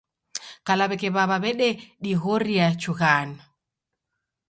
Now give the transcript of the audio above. Kala w'eke w'aw'a w'ededighoria chughano.